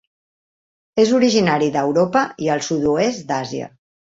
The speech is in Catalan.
És originari d'Europa i el sud-oest d'Àsia.